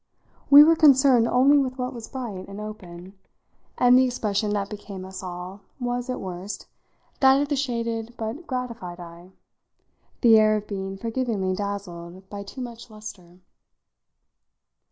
We were concerned only with what was bright and open, and the expression that became us all was, at worst, that of the shaded but gratified eye, the air of being forgivingly dazzled by too much lustre.